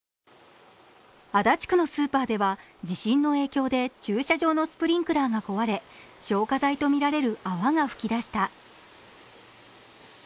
足立区のスーパーでは地震の影響で駐車場のスプリンクラーが壊れ消火剤とみられる泡が吹き出した。